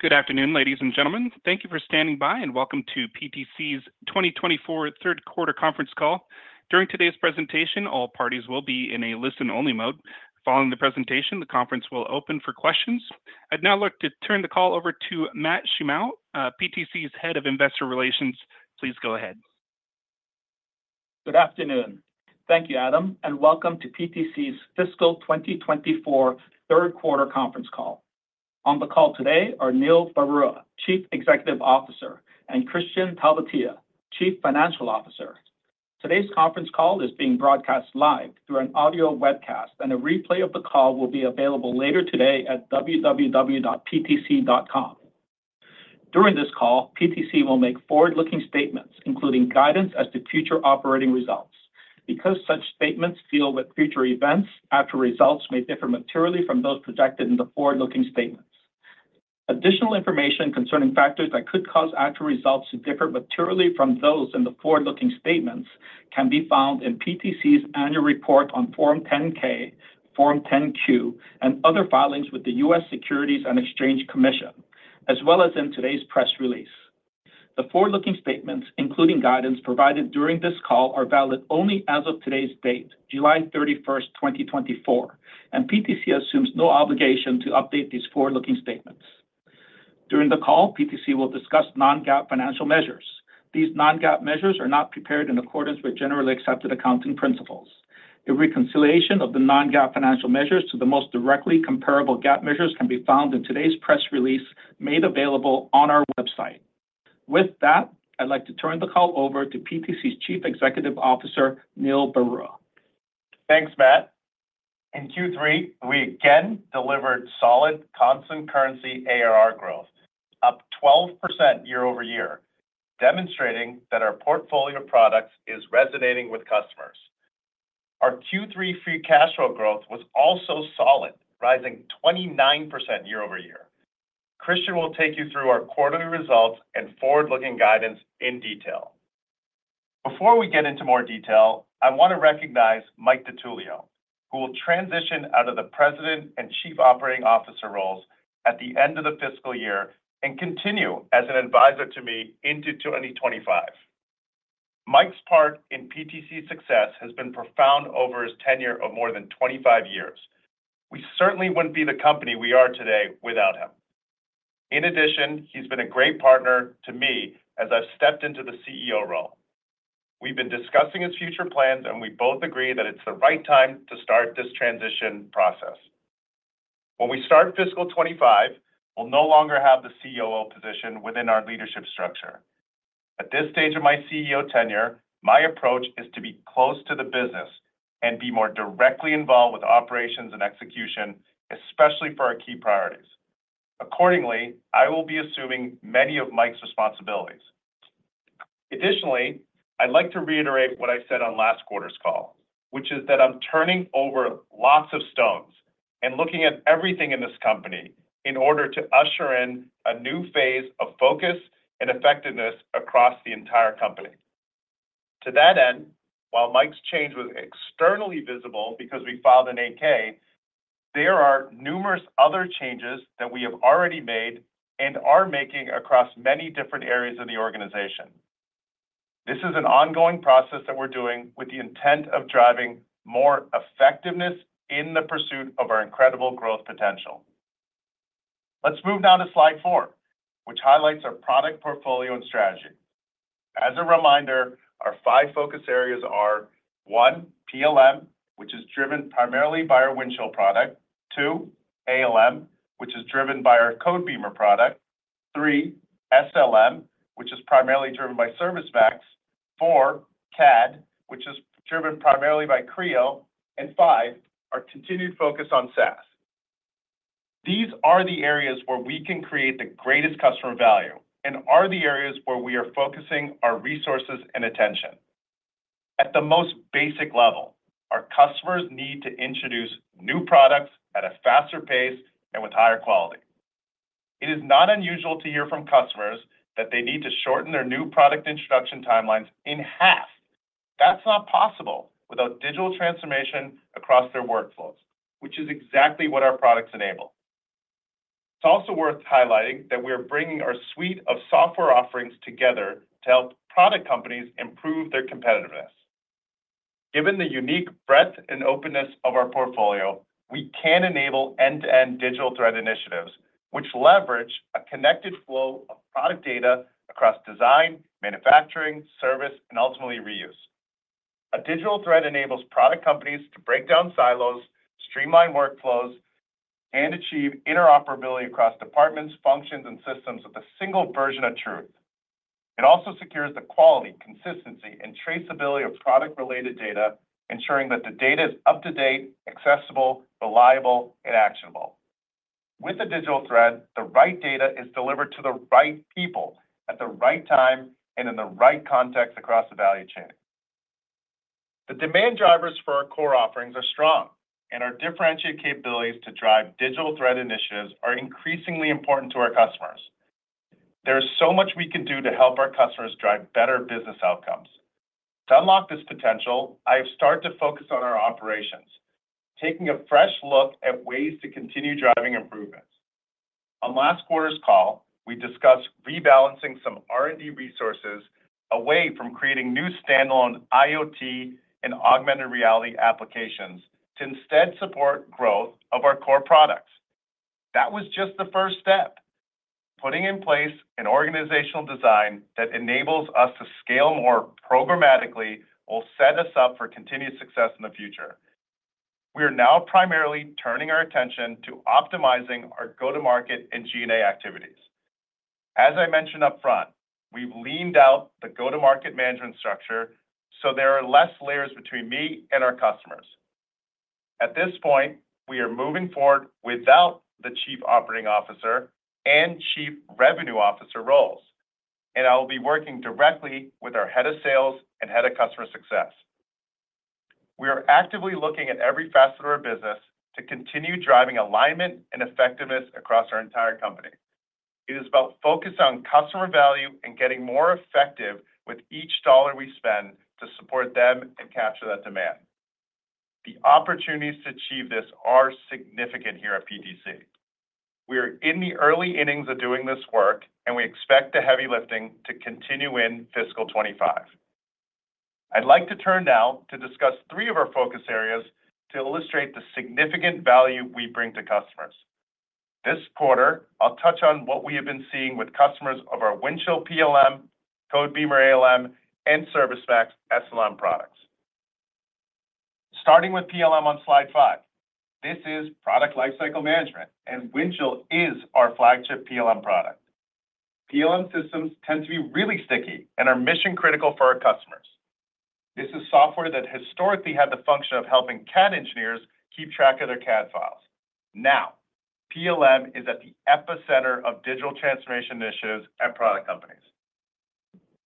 Good afternoon, ladies and gentlemen. Thank you for standing by, and welcome to PTC's 2024 third quarter conference call. During today's presentation, all parties will be in a listen-only mode. Following the presentation, the conference will open for questions. I'd now like to turn the call over to Matt Shimao, PTC's Head of Investor Relations. Please go ahead. Good afternoon. Thank you, Adam, and welcome to PTC's fiscal 2024 third quarter conference call. On the call today are Neil Barua, Chief Executive Officer, and Kristian Talvitie, Chief Financial Officer. Today's conference call is being broadcast live through an audio webcast, and a replay of the call will be available later today at www.ptc.com. During this call, PTC will make forward-looking statements, including guidance as to future operating results. Because such statements deal with future events, actual results may differ materially from those projected in the forward-looking statements. Additional information concerning factors that could cause actual results to differ materially from those in the forward-looking statements can be found in PTC's Annual Report on Form 10-K, Form 10-Q, and other filings with the U.S. Securities and Exchange Commission, as well as in today's press release. The forward-looking statements, including guidance provided during this call, are valid only as of today's date, July 31st, 2024, and PTC assumes no obligation to update these forward-looking statements. During the call, PTC will discuss non-GAAP financial measures. These non-GAAP measures are not prepared in accordance with generally accepted accounting principles. A reconciliation of the non-GAAP financial measures to the most directly comparable GAAP measures can be found in today's press release made available on our website. With that, I'd like to turn the call over to PTC's Chief Executive Officer, Neil Barua. Thanks, Matt. In Q3, we again delivered solid constant currency ARR growth, up 12% year-over-year, demonstrating that our portfolio of products is resonating with customers. Our Q3 free cash flow growth was also solid, rising 29% year-over-year. Kristian will take you through our quarterly results and forward-looking guidance in detail. Before we get into more detail, I want to recognize Mike DiTullio, who will transition out of the President and Chief Operating Officer roles at the end of the fiscal year and continue as an advisor to me into 2025. Mike's part in PTC's success has been profound over his tenure of more than 25 years. We certainly wouldn't be the company we are today without him. In addition, he's been a great partner to me as I've stepped into the CEO role. We've been discussing his future plans, and we both agree that it's the right time to start this transition process. When we start fiscal 25, we'll no longer have the COO position within our leadership structure. At this stage of my CEO tenure, my approach is to be close to the business and be more directly involved with operations and execution, especially for our key priorities. Accordingly, I will be assuming many of Mike's responsibilities. Additionally, I'd like to reiterate what I said on last quarter's call, which is that I'm turning over lots of stones and looking at everything in this company in order to usher in a new phase of focus and effectiveness across the entire company. To that end, while Mike's change was externally visible because we filed an 8-K, there are numerous other changes that we have already made and are making across many different areas of the organization. This is an ongoing process that we're doing with the intent of driving more effectiveness in the pursuit of our incredible growth potential. Let's move now to slide 4, which highlights our product portfolio and strategy. As a reminder, our five focus areas are: one, PLM, which is driven primarily by our Windchill product; two, ALM, which is driven by our Codebeamer product; three, SLM, which is primarily driven by ServiceMax; four, CAD, which is driven primarily by Creo; and five, our continued focus on SaaS. These are the areas where we can create the greatest customer value and are the areas where we are focusing our resources and attention. At the most basic level, our customers need to introduce new products at a faster pace and with higher quality. It is not unusual to hear from customers that they need to shorten their new product introduction timelines in half. That's not possible without digital transformation across their workflows, which is exactly what our products enable. It's also worth highlighting that we are bringing our suite of software offerings together to help product companies improve their competitiveness. Given the unique breadth and openness of our portfolio, we can enable end-to-end digital thread initiatives, which leverage a connected flow of product data across design, manufacturing, service, and ultimately, reuse. A digital thread enables product companies to break down silos, streamline workflows, and achieve interoperability across departments, functions, and systems with a single version of truth. It also secures the quality, consistency, and traceability of product-related data, ensuring that the data is up to date, accessible, reliable, and actionable. With the digital thread, the right data is delivered to the right people at the right time and in the right context across the value chain. The demand drivers for our core offerings are strong, and our differentiated capabilities to drive digital thread initiatives are increasingly important to our customers.... There's so much we can do to help our customers drive better business outcomes. To unlock this potential, I have started to focus on our operations, taking a fresh look at ways to continue driving improvements. On last quarter's call, we discussed rebalancing some R&D resources away from creating new standalone IoT and augmented reality applications to instead support growth of our core products. That was just the first step. Putting in place an organizational design that enables us to scale more programmatically will set us up for continued success in the future. We are now primarily turning our attention to optimizing our go-to-market and G&A activities. As I mentioned up front, we've leaned out the go-to-market management structure, so there are less layers between me and our customers. At this point, we are moving forward without the Chief Operating Officer and Chief Revenue Officer roles, and I will be working directly with our Head of Sales and Head of Customer Success. We are actively looking at every facet of our business to continue driving alignment and effectiveness across our entire company. It is about focus on customer value and getting more effective with each dollar we spend to support them and capture that demand. The opportunities to achieve this are significant here at PTC. We are in the early innings of doing this work, and we expect the heavy lifting to continue in fiscal 2025. I'd like to turn now to discuss three of our focus areas to illustrate the significant value we bring to customers. This quarter, I'll touch on what we have been seeing with customers of our Windchill PLM, Codebeamer ALM, and ServiceMax SLM products. Starting with PLM on slide 5, this is product lifecycle management, and Windchill is our flagship PLM product. PLM systems tend to be really sticky and are mission critical for our customers. This is software that historically had the function of helping CAD engineers keep track of their CAD files. Now, PLM is at the epicenter of digital transformation initiatives at product companies.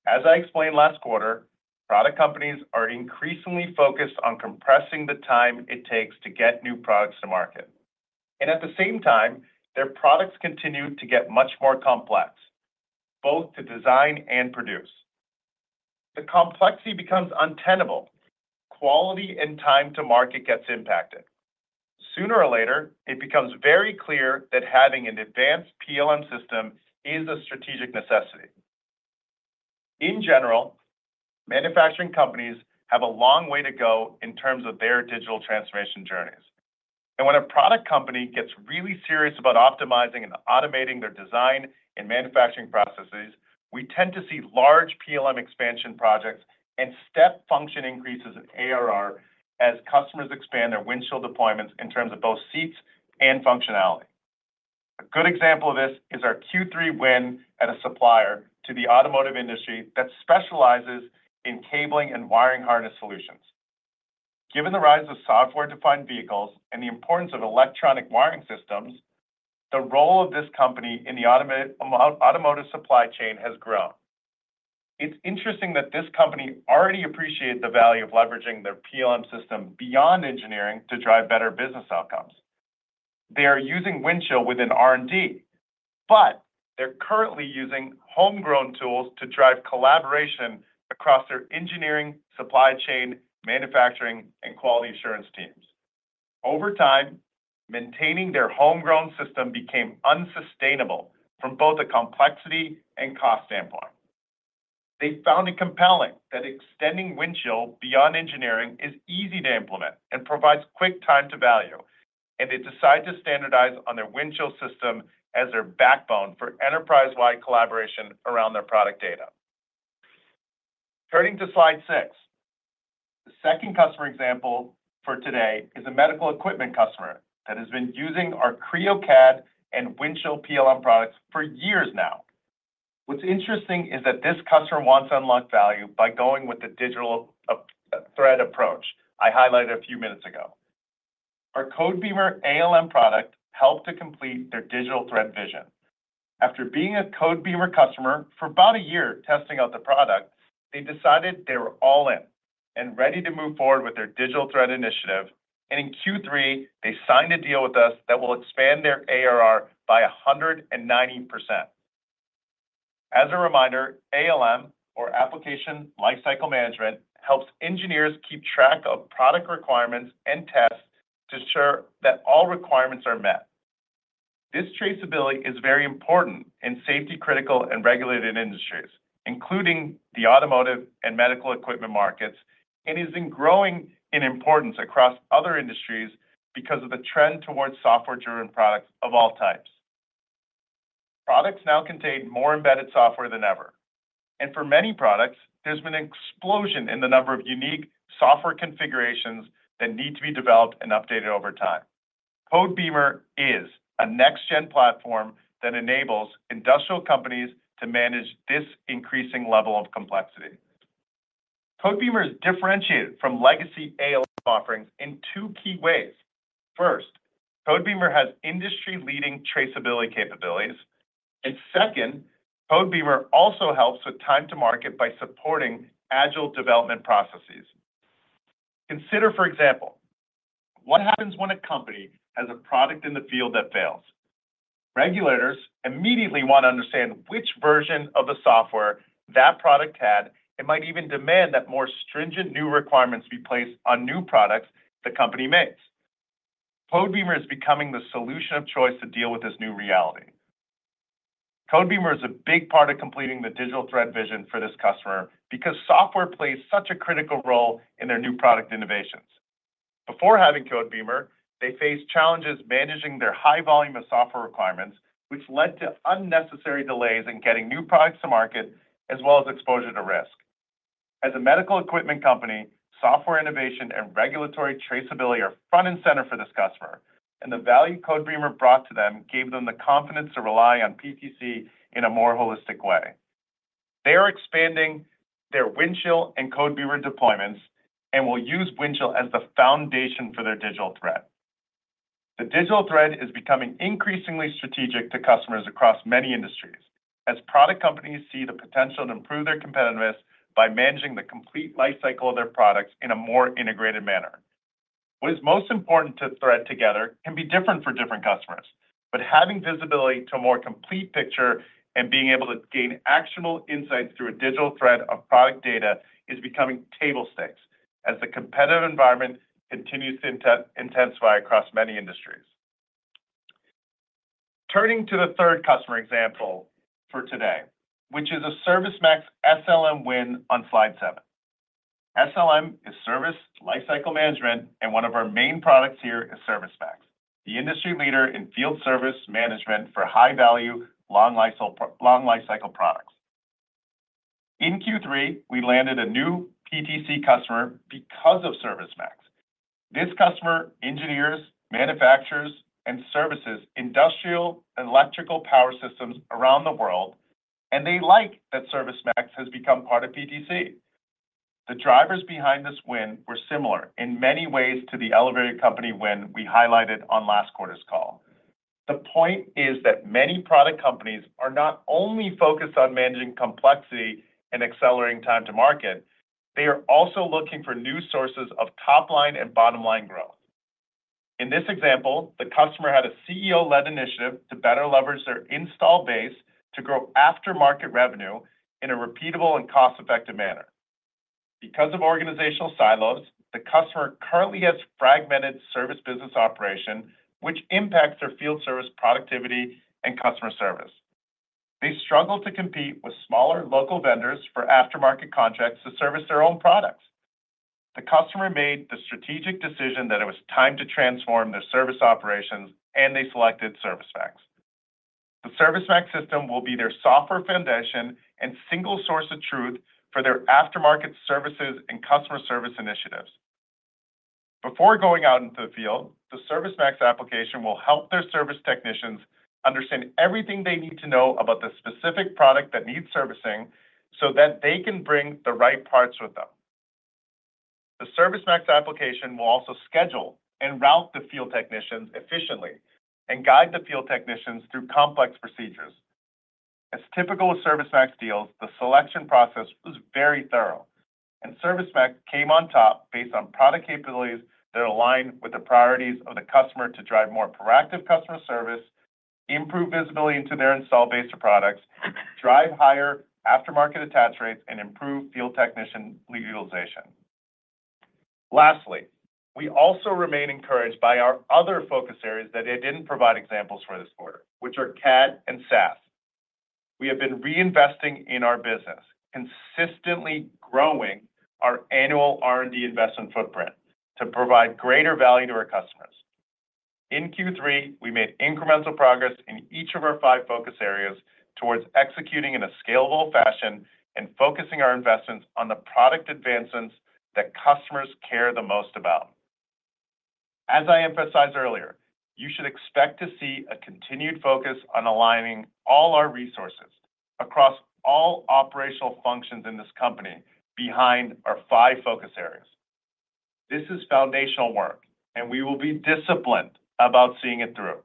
As I explained last quarter, product companies are increasingly focused on compressing the time it takes to get new products to market. At the same time, their products continue to get much more complex, both to design and produce. The complexity becomes untenable, quality and time to market gets impacted. Sooner or later, it becomes very clear that having an advanced PLM system is a strategic necessity. In general, manufacturing companies have a long way to go in terms of their digital transformation journeys. And when a product company gets really serious about optimizing and automating their design and manufacturing processes, we tend to see large PLM expansion projects and step function increases in ARR as customers expand their Windchill deployments in terms of both seats and functionality. A good example of this is our Q3 win at a supplier to the automotive industry that specializes in cabling and wiring harness solutions. Given the rise of software-defined vehicles and the importance of electronic wiring systems, the role of this company in the automotive supply chain has grown. It's interesting that this company already appreciated the value of leveraging their PLM system beyond engineering to drive better business outcomes. They are using Windchill within R&D, but they're currently using homegrown tools to drive collaboration across their engineering, supply chain, manufacturing, and quality assurance teams. Over time, maintaining their homegrown system became unsustainable from both a complexity and cost standpoint. They found it compelling that extending Windchill beyond engineering is easy to implement and provides quick time to value, and they decided to standardize on their Windchill system as their backbone for enterprise-wide collaboration around their product data. Turning to slide 6, the second customer example for today is a medical equipment customer that has been using our Creo CAD and Windchill PLM products for years now. What's interesting is that this customer wants to unlock value by going with the Digital Thread approach I highlighted a few minutes ago. Our Codebeamer ALM product helped to complete their Digital Thread vision. After being a Codebeamer customer for about a year, testing out the product, they decided they were all in and ready to move forward with their Digital Thread initiative, and in Q3, they signed a deal with us that will expand their ARR by 190%. As a reminder, ALM or application lifecycle management, helps engineers keep track of product requirements and tests to ensure that all requirements are met. This traceability is very important in safety-critical and regulated industries, including the automotive and medical equipment markets, and is growing in importance across other industries because of the trend towards software-driven products of all types. Products now contain more embedded software than ever, and for many products, there's been an explosion in the number of unique software configurations that need to be developed and updated over time. Codebeamer is a next-gen platform that enables industrial companies to manage this increasing level of complexity. Codebeamer is differentiated from legacy ALM offerings in two key ways. First, Codebeamer has industry-leading traceability capabilities. And second, Codebeamer also helps with time to market by supporting agile development processes.... Consider, for example, what happens when a company has a product in the field that fails? Regulators immediately want to understand which version of the software that product had, and might even demand that more stringent new requirements be placed on new products the company makes. Codebeamer is becoming the solution of choice to deal with this new reality. Codebeamer is a big part of completing the Digital Thread vision for this customer because software plays such a critical role in their new product innovations. Before having Codebeamer, they faced challenges managing their high volume of software requirements, which led to unnecessary delays in getting new products to market, as well as exposure to risk. As a medical equipment company, software innovation and regulatory traceability are front and center for this customer, and the value Codebeamer brought to them gave them the confidence to rely on PTC in a more holistic way. They are expanding their Windchill and Codebeamer deployments and will use Windchill as the foundation for their digital thread. The digital thread is becoming increasingly strategic to customers across many industries, as product companies see the potential to improve their competitiveness by managing the complete life cycle of their products in a more integrated manner. What is most important to thread together can be different for different customers, but having visibility to a more complete picture and being able to gain actionable insights through a digital thread of product data is becoming table stakes as the competitive environment continues to intensify across many industries. Turning to the third customer example for today, which is a ServiceMax SLM win on slide seven. SLM is Service Lifecycle Management, and one of our main products here is ServiceMax, the industry leader in field service management for high-value, long lifecycle products. In Q3, we landed a new PTC customer because of ServiceMax. This customer engineers, manufacturers, and services industrial and electrical power systems around the world, and they like that ServiceMax has become part of PTC. The drivers behind this win were similar in many ways to the elevator company win we highlighted on last quarter's call. The point is that many product companies are not only focused on managing complexity and accelerating time to market, they are also looking for new sources of top-line and bottom-line growth. In this example, the customer had a CEO-led initiative to better leverage their installed base to grow after-market revenue in a repeatable and cost-effective manner. Because of organizational silos, the customer currently has fragmented service business operation, which impacts their field service, productivity, and customer service. They struggle to compete with smaller local vendors for aftermarket contracts to service their own products. The customer made the strategic decision that it was time to transform their service operations, and they selected ServiceMax. The ServiceMax system will be their software foundation and single source of truth for their aftermarket services and customer service initiatives. Before going out into the field, the ServiceMax application will help their service technicians understand everything they need to know about the specific product that needs servicing, so that they can bring the right parts with them. The ServiceMax application will also schedule and route the field technicians efficiently and guide the field technicians through complex procedures. As typical with ServiceMax deals, the selection process was very thorough, and ServiceMax came on top based on product capabilities that align with the priorities of the customer to drive more proactive customer service, improve visibility into their installed base of products, drive higher aftermarket attach rates, and improve field technician lead utilization. Lastly, we also remain encouraged by our other focus areas that I didn't provide examples for this quarter, which are CAD and SaaS. We have been reinvesting in our business, consistently growing our annual R&D investment footprint to provide greater value to our customers. In Q3, we made incremental progress in each of our five focus areas towards executing in a scalable fashion and focusing our investments on the product advancements that customers care the most about. As I emphasized earlier, you should expect to see a continued focus on aligning all our resources across all operational functions in this company behind our five focus areas. This is foundational work, and we will be disciplined about seeing it through.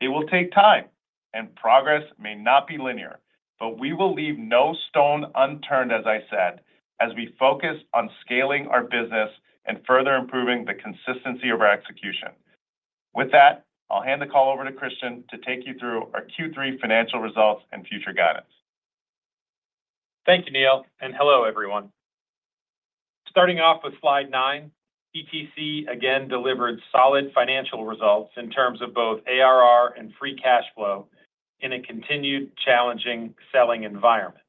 It will take time, and progress may not be linear, but we will leave no stone unturned, as I said, as we focus on scaling our business and further improving the consistency of our execution. With that, I'll hand the call over to Kristian to take you through our Q3 financial results and future guidance. Thank you, Neil, and hello, everyone. Starting off with slide nine, PTC again delivered solid financial results in terms of both ARR and free cash flow in a continued challenging selling environment.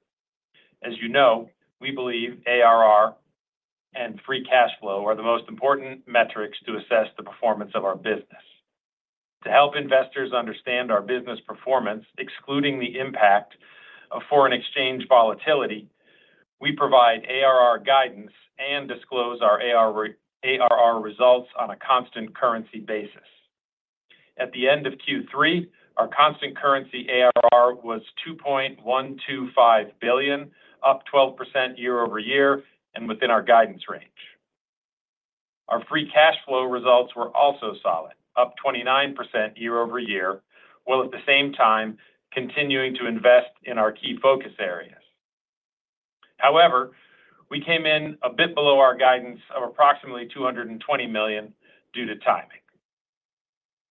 As you know, we believe ARR and free cash flow are the most important metrics to assess the performance of our business. To help investors understand our business performance, excluding the impact of foreign exchange volatility, we provide ARR guidance and disclose our ARR results on a constant currency basis. At the end of Q3, our constant currency ARR was $2.125 billion, up 12% year-over-year and within our guidance range. Our free cash flow results were also solid, up 29% year-over-year, while at the same time continuing to invest in our key focus areas.... However, we came in a bit below our guidance of approximately $220 million due to timing.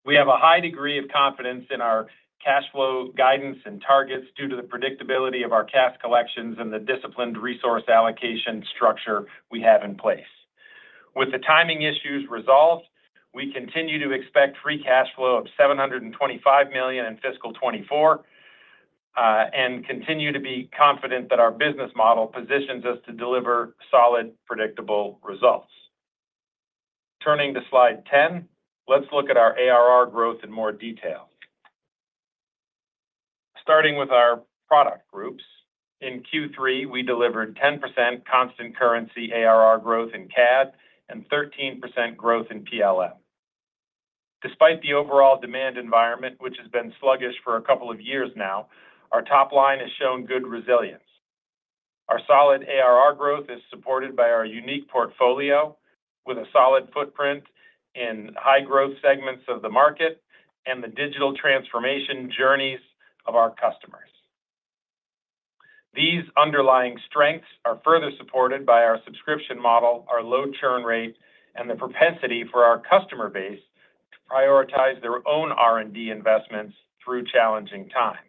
We have a high degree of confidence in our cash flow guidance and targets due to the predictability of our cash collections and the disciplined resource allocation structure we have in place. With the timing issues resolved, we continue to expect free cash flow of $725 million in fiscal 2024, and continue to be confident that our business model positions us to deliver solid, predictable results. Turning to slide 10, let's look at our ARR growth in more detail. Starting with our product groups, in Q3, we delivered 10% constant currency ARR growth in CAD and 13% growth in PLM. Despite the overall demand environment, which has been sluggish for a couple of years now, our top line has shown good resilience. Our solid ARR growth is supported by our unique portfolio, with a solid footprint in high-growth segments of the market and the digital transformation journeys of our customers. These underlying strengths are further supported by our subscription model, our low churn rate, and the propensity for our customer base to prioritize their own R&D investments through challenging times.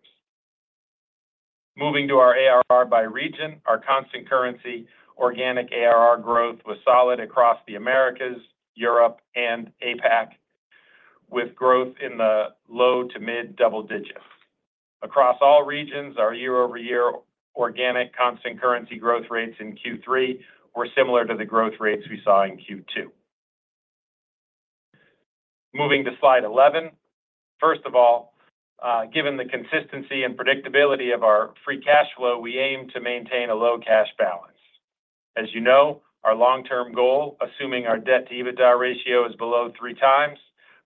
Moving to our ARR by region, our constant currency organic ARR growth was solid across the Americas, Europe, and APAC, with growth in the low to mid double digits. Across all regions, our year-over-year organic constant currency growth rates in Q3 were similar to the growth rates we saw in Q2. Moving to slide 11. First of all, given the consistency and predictability of our free cash flow, we aim to maintain a low cash balance. As you know, our long-term goal, assuming our debt to EBITDA ratio is below 3x,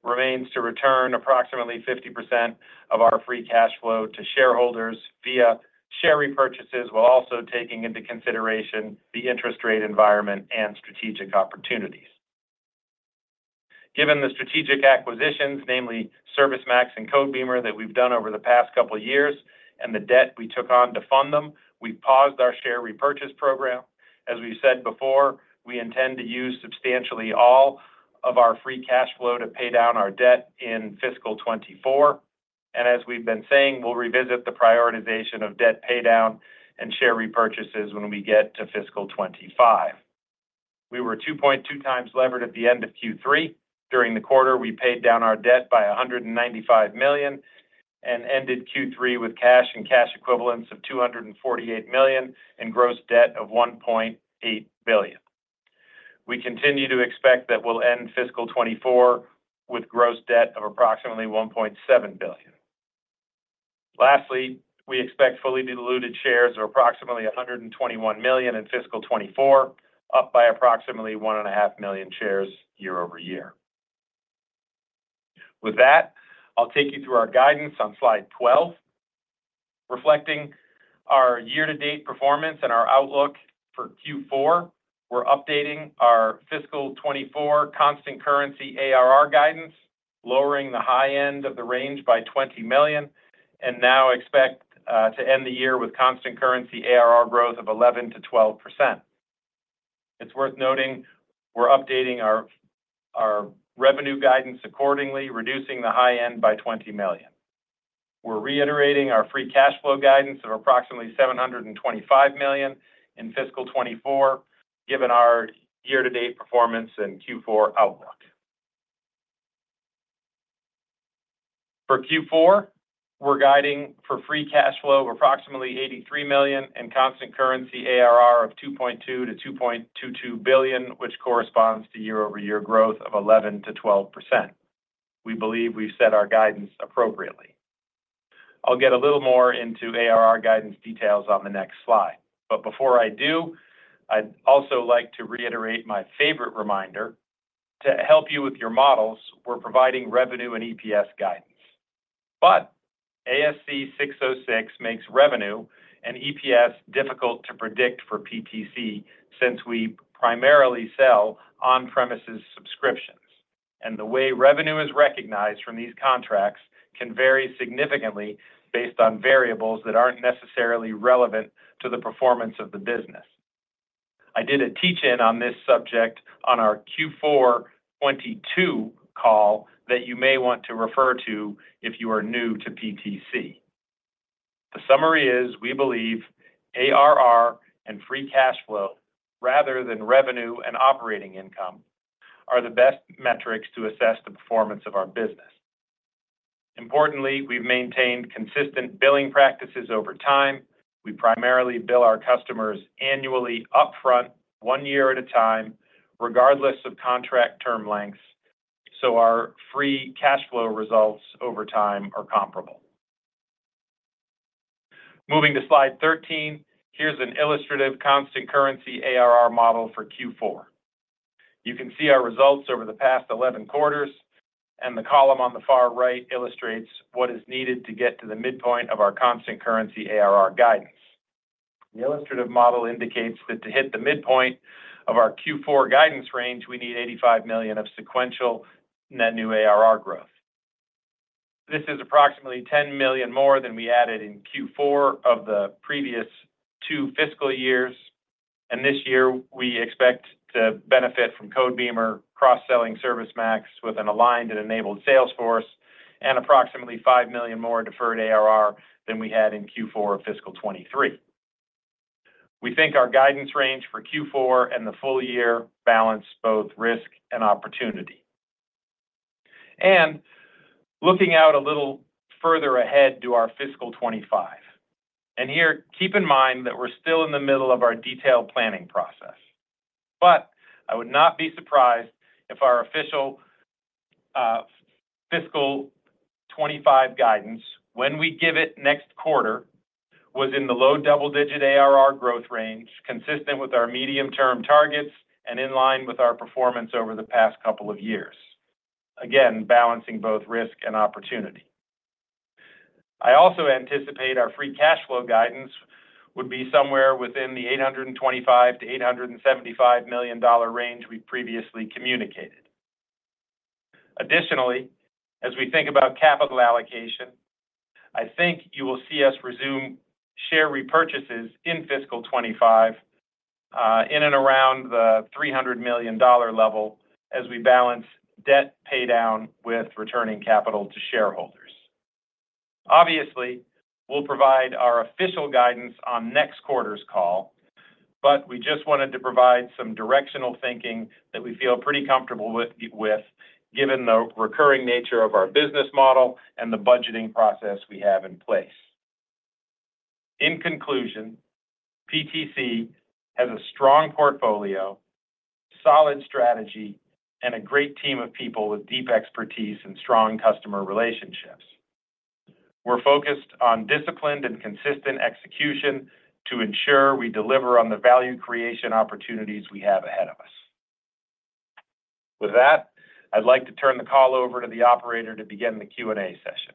remains to return approximately 50% of our free cash flow to shareholders via share repurchases, while also taking into consideration the interest rate environment and strategic opportunities. Given the strategic acquisitions, namely ServiceMax and Codebeamer, that we've done over the past couple of years and the debt we took on to fund them, we've paused our share repurchase program. As we've said before, we intend to use substantially all of our free cash flow to pay down our debt in fiscal 2024, and as we've been saying, we'll revisit the prioritization of debt paydown and share repurchases when we get to fiscal 2025. We were 2.2x levered at the end of Q3. During the quarter, we paid down our debt by $195 million and ended Q3 with cash and cash equivalents of $248 million and gross debt of $1.8 billion. We continue to expect that we'll end fiscal 2024 with gross debt of approximately $1.7 billion. Lastly, we expect fully diluted shares of approximately 121 million in fiscal 2024, up by approximately 1.5 million shares year-over-year. With that, I'll take you through our guidance on slide 12. Reflecting our year-to-date performance and our outlook for Q4, we're updating our fiscal 2024 constant currency ARR guidance, lowering the high end of the range by $20 million, and now expect to end the year with constant currency ARR growth of 11%-12%. It's worth noting we're updating our revenue guidance accordingly, reducing the high end by $20 million. We're reiterating our free cash flow guidance of approximately $725 million in fiscal 2024, given our year-to-date performance and Q4 outlook. For Q4, we're guiding for free cash flow of approximately $83 million and constant currency ARR of $2.2 billion-$2.22 billion, which corresponds to year-over-year growth of 11%-12%. We believe we've set our guidance appropriately. I'll get a little more into ARR guidance details on the next slide, but before I do, I'd also like to reiterate my favorite reminder. To help you with your models, we're providing revenue and EPS guidance, but ASC 606 makes revenue and EPS difficult to predict for PTC, since we primarily sell on-premises subscriptions, and the way revenue is recognized from these contracts can vary significantly based on variables that aren't necessarily relevant to the performance of the business. I did a teach-in on this subject on our Q4 2022 call that you may want to refer to if you are new to PTC. The summary is, we believe ARR and free cash flow, rather than revenue and operating income, are the best metrics to assess the performance of our business. Importantly, we've maintained consistent billing practices over time. We primarily bill our customers annually, upfront, one year at a time, regardless of contract term lengths, so our free cash flow results over time are comparable. Moving to slide 13, here's an illustrative constant currency ARR model for Q4. You can see our results over the past 11 quarters, and the column on the far right illustrates what is needed to get to the midpoint of our constant currency ARR guidance. The illustrative model indicates that to hit the midpoint of our Q4 guidance range, we need $85 million of sequential net new ARR growth.... This is approximately $10 million more than we added in Q4 of the previous two fiscal years. This year, we expect to benefit from Codebeamer cross-selling ServiceMax with an aligned and enabled sales force, and approximately $5 million more in deferred ARR than we had in Q4 of fiscal 2023. We think our guidance range for Q4 and the full year balance both risk and opportunity. Looking out a little further ahead to our fiscal 2025, and here, keep in mind that we're still in the middle of our detailed planning process. I would not be surprised if our official fiscal 2025 guidance, when we give it next quarter, was in the low double-digit ARR growth range, consistent with our medium-term targets and in line with our performance over the past couple of years. Again, balancing both risk and opportunity. I also anticipate our free cash flow guidance would be somewhere within the $825 million-$875 million range we previously communicated. Additionally, as we think about capital allocation, I think you will see us resume share repurchases in fiscal 2025 in and around the $300 million level as we balance debt paydown with returning capital to shareholders. Obviously, we'll provide our official guidance on next quarter's call, but we just wanted to provide some directional thinking that we feel pretty comfortable with, given the recurring nature of our business model and the budgeting process we have in place. In conclusion, PTC has a strong portfolio, solid strategy, and a great team of people with deep expertise and strong customer relationships. We're focused on disciplined and consistent execution to ensure we deliver on the value creation opportunities we have ahead of us. With that, I'd like to turn the call over to the operator to begin the Q&A session.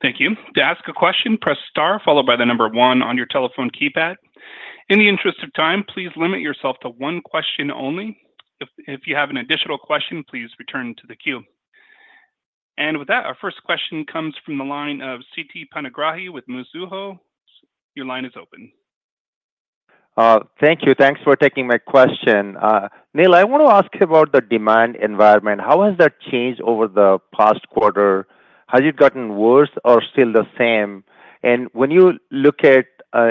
Thank you. To ask a question, press star, followed by the number one on your telephone keypad. In the interest of time, please limit yourself to one question only. If you have an additional question, please return to the queue. With that, our first question comes from the line of Siti Panigrahi with Mizuho. Your line is open. Thank you. Thanks for taking my question. Neil, I want to ask about the demand environment. How has that changed over the past quarter? Has it gotten worse or still the same? And when you look at,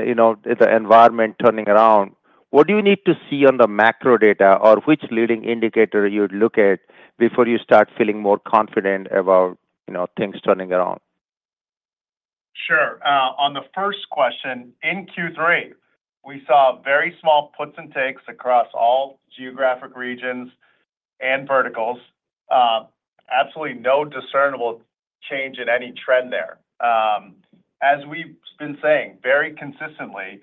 you know, the environment turning around, what do you need to see on the macro data or which leading indicator you'd look at before you start feeling more confident about, you know, things turning around? Sure. On the first question, in Q3, we saw very small puts and takes across all geographic regions and verticals. Absolutely no discernible change in any trend there. As we've been saying, very consistently,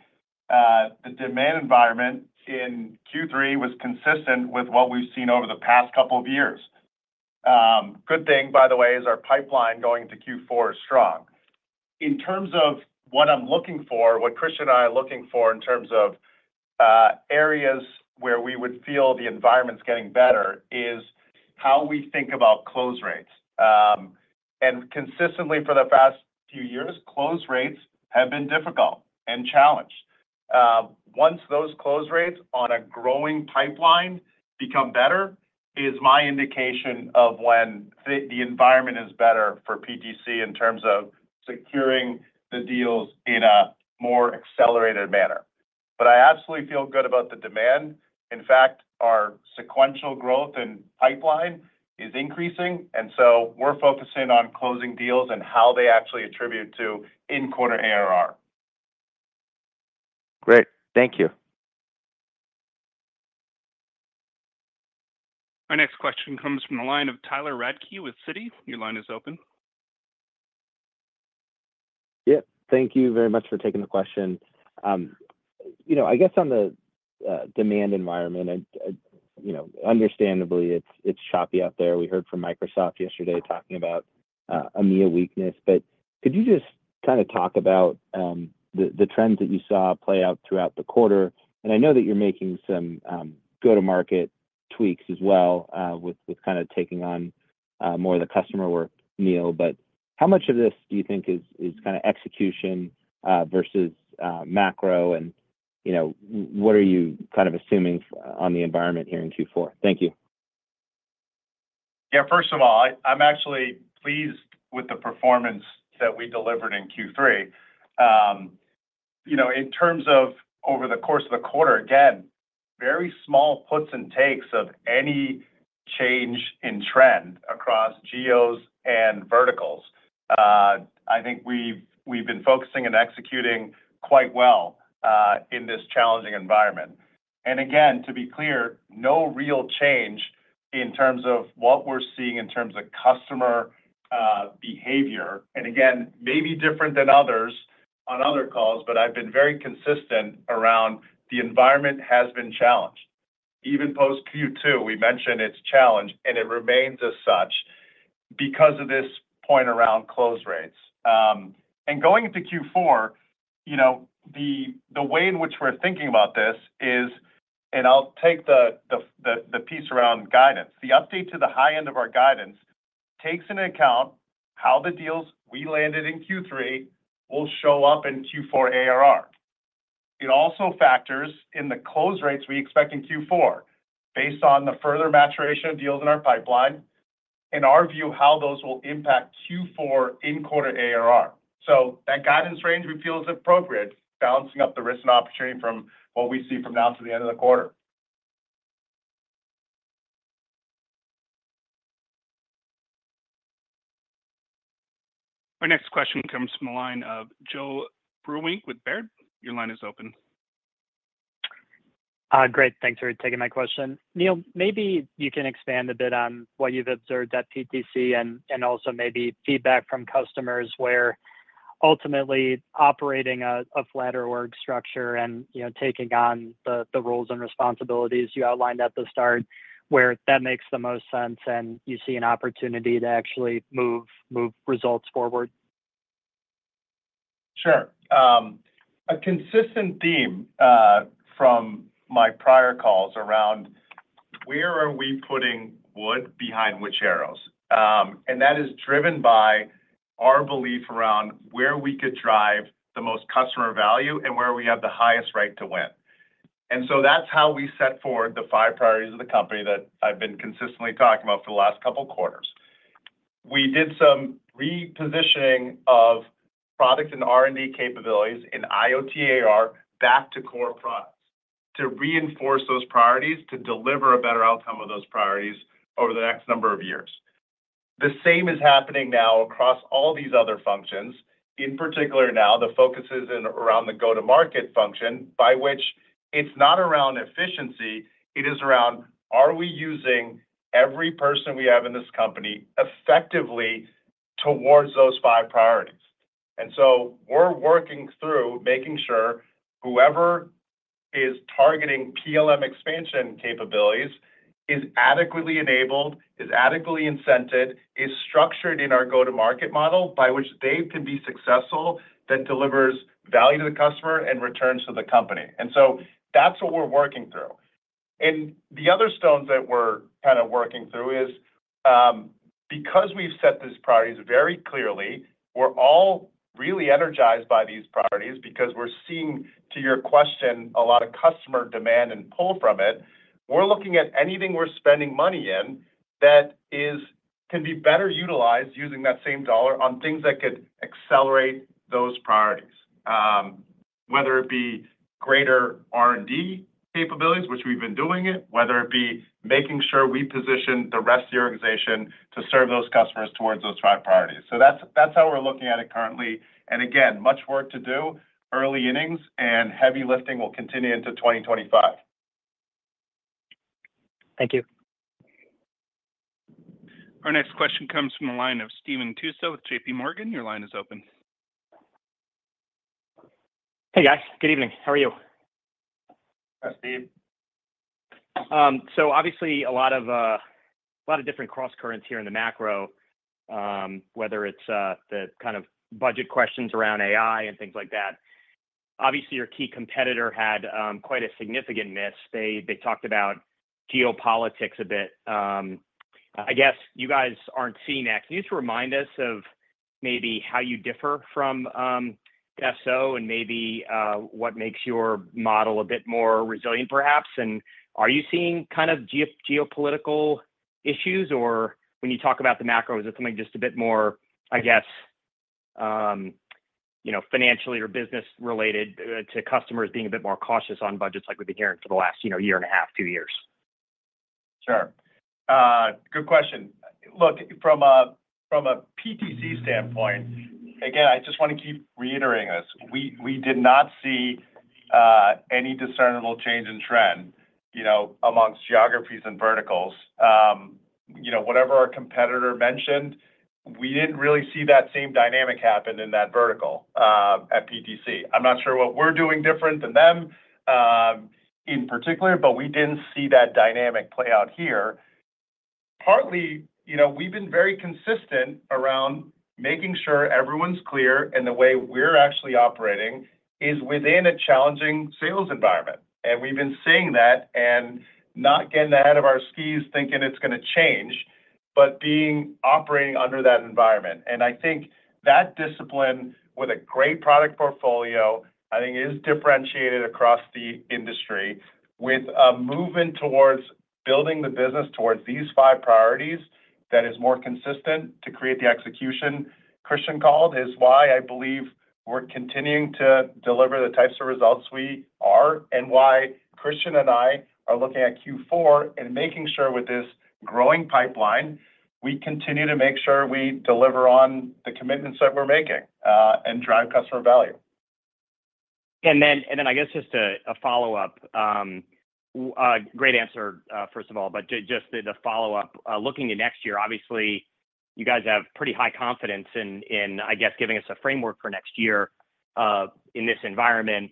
the demand environment in Q3 was consistent with what we've seen over the past couple of years. Good thing, by the way, is our pipeline going into Q4 is strong. In terms of what I'm looking for, what Chris and I are looking for in terms of, areas where we would feel the environment's getting better is how we think about close rates. Consistently for the past few years, close rates have been difficult and challenged. Once those close rates on a growing pipeline become better, is my indication of when the environment is better for PTC in terms of securing the deals in a more accelerated manner. But I absolutely feel good about the demand. In fact, our sequential growth and pipeline is increasing, and so we're focusing on closing deals and how they actually attribute to in-quarter ARR. Great. Thank you. Our next question comes from the line of Tyler Radke with Citi. Your line is open. Yeah, thank you very much for taking the question. You know, I guess on the demand environment, I... You know, understandably, it's choppy out there. We heard from Microsoft yesterday talking about a near-term weakness. But could you just kind of talk about the trends that you saw play out throughout the quarter? And I know that you're making some go-to-market tweaks as well with kind of taking on more of the customer work, Neil, but how much of this do you think is kind of execution versus macro, and, you know, what are you kind of assuming for the environment here in Q4? Thank you. Yeah, first of all, I'm actually pleased with the performance that we delivered in Q3. You know, in terms of over the course of the quarter, again, very small puts and takes of any change in trend across geos and verticals. I think we've been focusing and executing quite well in this challenging environment. And again, to be clear, no real change in terms of what we're seeing in terms of customer behavior. And again, maybe different than others on other calls, but I've been very consistent around the environment has been challenged. Even post Q2, we mentioned it's challenged, and it remains as such because of this point around close rates. And going into Q4, you know, the way in which we're thinking about this is-... I'll take the piece around guidance. The update to the high end of our guidance takes into account how the deals we landed in Q3 will show up in Q4 ARR. It also factors in the close rates we expect in Q4, based on the further maturation of deals in our pipeline, in our view, how those will impact Q4 in quarter ARR. So that guidance range we feel is appropriate, balancing up the risk and opportunity from what we see from now to the end of the quarter. Our next question comes from the line of Joe Vruwink with Baird. Your line is open. Great. Thanks for taking my question. Neil, maybe you can expand a bit on what you've observed at PTC and also maybe feedback from customers where ultimately operating a flatter org structure and, you know, taking on the roles and responsibilities you outlined at the start, where that makes the most sense, and you see an opportunity to actually move results forward. Sure. A consistent theme from my prior calls around where are we putting wood behind which arrows? And that is driven by our belief around where we could drive the most customer value and where we have the highest right to win. And so that's how we set forward the five priorities of the company that I've been consistently talking about for the last couple of quarters. We did some repositioning of products and R&D capabilities in IoT AR, back to core products, to reinforce those priorities, to deliver a better outcome of those priorities over the next number of years. The same is happening now across all these other functions. In particular now, the focus is in around the go-to-market function, by which it's not around efficiency, it is around: Are we using every person we have in this company effectively towards those five priorities? And so we're working through making sure whoever is targeting PLM expansion capabilities is adequately enabled, is adequately incented, is structured in our go-to-market model, by which they can be successful, that delivers value to the customer and returns to the company. And so that's what we're working through. And the other milestones that we're kind of working through is, because we've set these priorities very clearly, we're all really energized by these priorities because we're seeing, to your question, a lot of customer demand and pull from it. We're looking at anything we're spending money in that can be better utilized using that same dollar on things that could accelerate those priorities. Whether it be greater R&D capabilities, which we've been doing it, whether it be making sure we position the rest of the organization to serve those customers towards those five priorities. So that's, that's how we're looking at it currently. And again, much work to do, early innings, and heavy lifting will continue into 2025. Thank you. Our next question comes from the line of Stephen Tusa with J.P. Morgan. Your line is open. Hey, guys. Good evening. How are you? Hi, Steve. So obviously, a lot of a lot of different crosscurrents here in the macro, whether it's the kind of budget questions around AI and things like that. Obviously, your key competitor had quite a significant miss. They, they talked about geopolitics a bit. I guess you guys aren't seeing that. Can you just remind us of maybe how you differ from SO and maybe what makes your model a bit more resilient, perhaps? And are you seeing kind of geopolitical issues, or when you talk about the macro, is it something just a bit more, I guess you know, financially or business related to customers being a bit more cautious on budgets like we've been hearing for the last you know, year and a half, two years? Sure. Good question. Look, from a PTC standpoint, again, I just want to keep reiterating this: we did not see any discernible change in trend, you know, amongst geographies and verticals. You know, whatever our competitor mentioned, we didn't really see that same dynamic happen in that vertical at PTC. I'm not sure what we're doing different than them in particular, but we didn't see that dynamic play out here. Partly, you know, we've been very consistent around making sure everyone's clear, and the way we're actually operating is within a challenging sales environment. We've been seeing that and not getting ahead of our skis, thinking it's gonna change, but being operating under that environment. I think that discipline with a great product portfolio, I think, is differentiated across the industry with a movement towards building the business towards these five priorities that is more consistent to create the execution Kristian called. This is why I believe we're continuing to deliver the types of results we are, and why Kristian and I are looking at Q4 and making sure with this growing pipeline, we continue to make sure we deliver on the commitments that we're making, and drive customer value. And then I guess just a follow-up. Great answer, first of all, but just the follow-up. Looking at next year, obviously you guys have pretty high confidence in I guess giving us a framework for next year in this environment.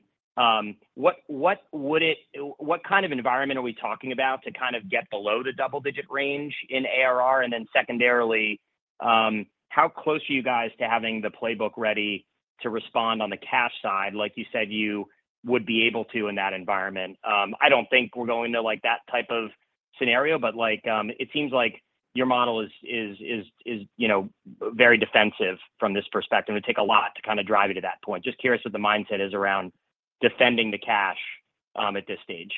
What kind of environment are we talking about to kind of get below the double-digit range in ARR? And then secondarily, how close are you guys to having the playbook ready?... to respond on the cash side, like you said you would be able to in that environment. I don't think we're going to like that type of scenario, but like, it seems like your model is, you know, very defensive from this perspective. It'd take a lot to kind of drive you to that point. Just curious what the mindset is around defending the cash, at this stage.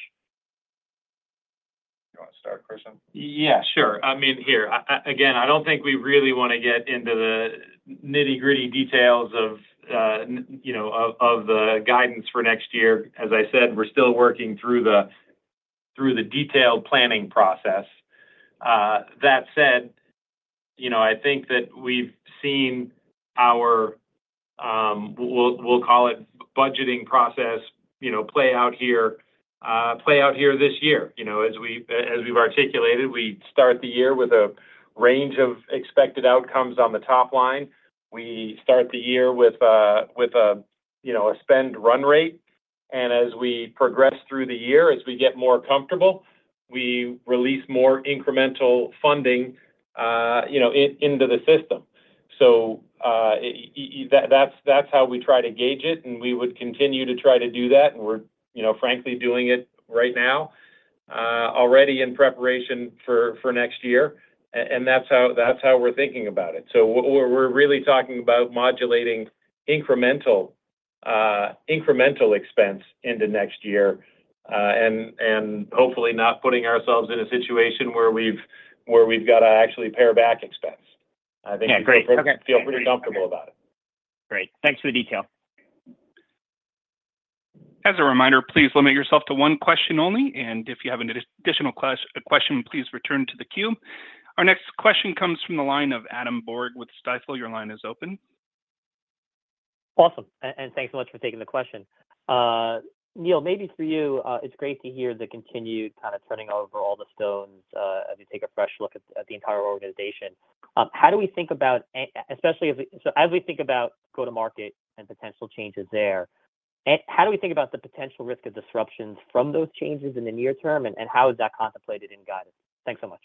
You want to start, Christian? Yeah, sure. I mean, here, again, I don't think we really want to get into the nitty gritty details of, you know, of the guidance for next year. As I said, we're still working through the detailed planning process. That said, you know, I think that we've seen our, we'll call it budgeting process, you know, play out here, play out here this year. You know, as we've articulated, we start the year with a range of expected outcomes on the top line. We start the year with a, with a, you know, a spend run rate, and as we progress through the year, as we get more comfortable, we release more incremental funding, you know, into the system. So, that's how we try to gauge it, and we would continue to try to do that. And we're, you know, frankly, doing it right now, already in preparation for next year, and that's how, that's how we're thinking about it. So we're really talking about modulating incremental expense into next year, and hopefully not putting ourselves in a situation where we've got to actually pare back expense. I think- Yeah, great. Okay. feel pretty comfortable about it. Great. Thanks for the detail. As a reminder, please limit yourself to one question only, and if you have an additional question, please return to the queue. Our next question comes from the line of Adam Borg with Stifel. Your line is open. Awesome, and thanks so much for taking the question. Neil, maybe for you, it's great to hear the continued kind of turning over all the stones, as you take a fresh look at the entire organization. How do we think about especially as... So as we think about go to market and potential changes there, and how do we think about the potential risk of disruptions from those changes in the near term, and how is that contemplated in guidance? Thanks so much.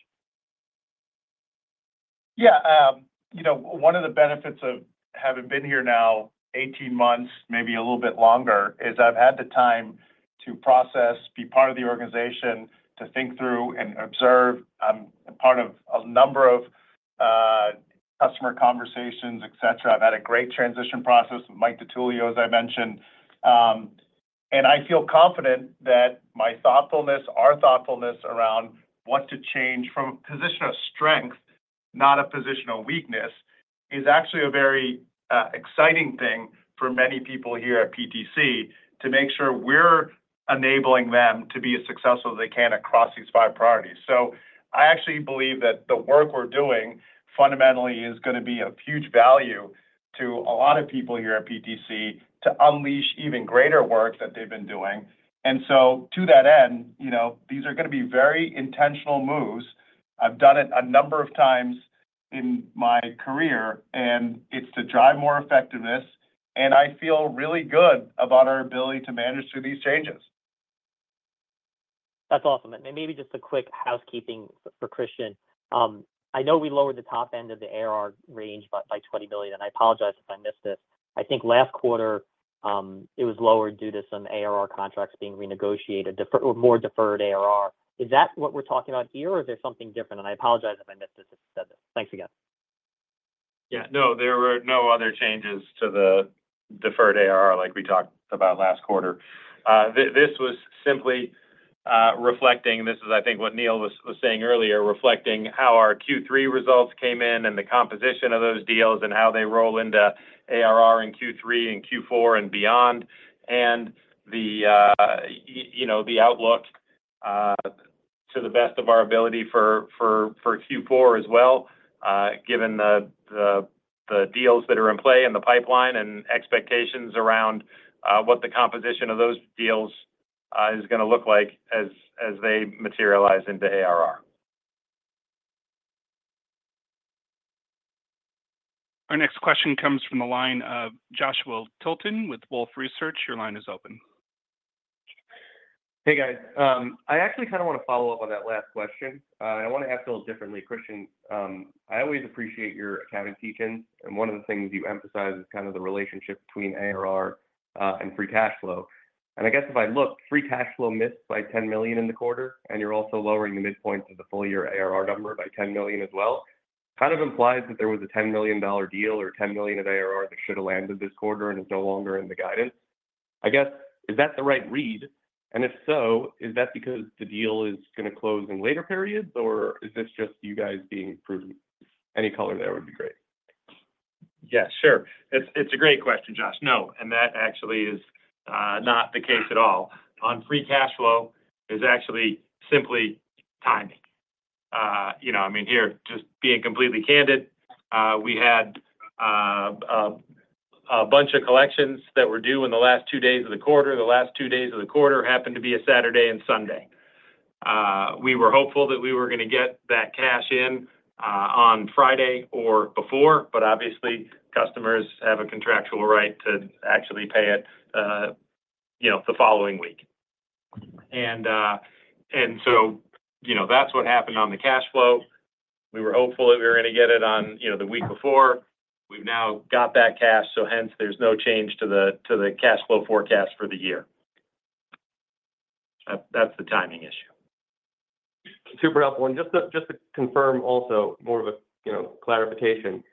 Yeah, you know, one of the benefits of having been here now 18 months, maybe a little bit longer, is I've had the time to process, be part of the organization, to think through and observe, a part of a number of, customer conversations, et cetera. I've had a great transition process with Mike DiTullio, as I mentioned. And I feel confident that my thoughtfulness, our thoughtfulness around what to change from a position of strength, not a position of weakness, is actually a very, exciting thing for many people here at PTC, to make sure we're enabling them to be as successful as they can across these five priorities. So I actually believe that the work we're doing fundamentally is gonna be of huge value to a lot of people here at PTC to unleash even greater work that they've been doing. And so to that end, you know, these are gonna be very intentional moves. I've done it a number of times in my career, and it's to drive more effectiveness, and I feel really good about our ability to manage through these changes. That's awesome. Maybe just a quick housekeeping for Kristian. I know we lowered the top end of the ARR range by $20 billion, and I apologize if I missed this. I think last quarter, it was lowered due to some ARR contracts being renegotiated, or more deferred ARR. Is that what we're talking about here, or is there something different? And I apologize if I missed this. Thanks again. Yeah. No, there were no other changes to the deferred ARR like we talked about last quarter. This was simply reflecting. This is, I think, what Neil was saying earlier, reflecting how our Q3 results came in and the composition of those deals, and how they roll into ARR in Q3 and Q4 and beyond, and you know, the outlook to the best of our ability for Q4 as well, given the deals that are in play and the pipeline and expectations around what the composition of those deals is gonna look like as they materialize into ARR. Our next question comes from the line of Joshua Tilton with Wolfe Research. Your line is open. Hey, guys. I actually kind of want to follow up on that last question, and I want to ask a little differently. Kristian, I always appreciate your accounting teaching, and one of the things you emphasize is kind of the relationship between ARR and free cash flow. I guess if I look, free cash flow missed by $10 million in the quarter, and you're also lowering the midpoint of the full year ARR number by $10 million as well. Kind of implies that there was a $10 million deal or $10 million of ARR that should have landed this quarter and is no longer in the guidance. I guess, is that the right read? If so, is that because the deal is gonna close in later periods, or is this just you guys being prudent? Any color there would be great. Yeah, sure. It's a great question, Josh. No, and that actually is not the case at all. On free cash flow, is actually simply timing. You know, I mean, here, just being completely candid, we had a bunch of collections that were due in the last two days of the quarter. The last two days of the quarter happened to be a Saturday and Sunday. We were hopeful that we were gonna get that cash in on Friday or before, but obviously, customers have a contractual right to actually pay it, you know, the following week. And so, you know, that's what happened on the cash flow. We were hopeful that we were gonna get it on, you know, the week before. We've now got that cash, so hence there's no change to the cash flow forecast for the year. That's the timing issue. Super helpful. And just to, just to confirm also more of a, you know, clarification,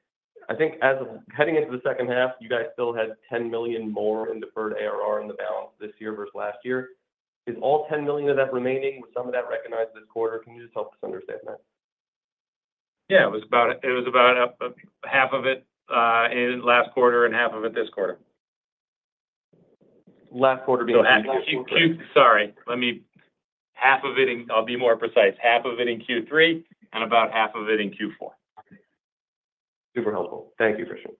I think as of heading into the second half, you guys still had $10 million more in deferred ARR on the balance this year versus last year. Is all $10 million of that remaining? Was some of that recognized this quarter? Can you just help us understand that? Yeah, it was about half of it in last quarter and half of it this quarter. Last quarter being- Sorry, I'll be more precise. Half of it in Q3 and about half of it in Q4. Okay. Super helpful. Thank you, Kristian.